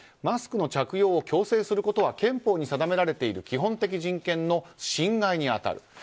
マスクの着用を強制することは憲法に定められている基本的人権の侵害に当たる。